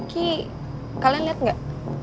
rifki kalian liat gak